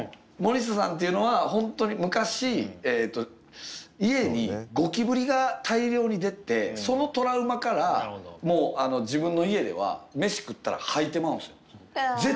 森下さんっていうのは本当に昔家にゴキブリが大量に出てそのトラウマから自分の家では飯食ったら吐いてまうんすよ。